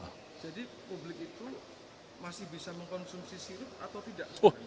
jadi publik itu masih bisa mengkonsumsi sirop atau tidak